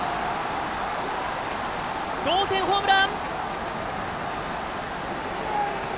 同点ホームラン！